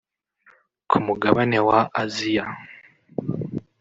ku mugabane wa Asia